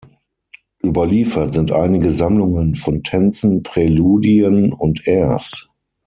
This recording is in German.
Überliefert sind einige Sammlungen von Tänzen, Präludien und Airs.